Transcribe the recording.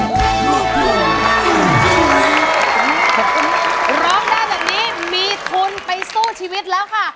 ร้องได้แบบนี้มีทุนไปสู้ชีวิตแล้วค่ะ